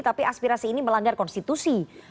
tapi aspirasi ini melanggar konstitusi